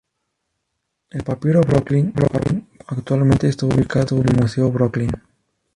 El papiro Brooklyn Papiro actualmente está ubicado en el Museo Brooklyn.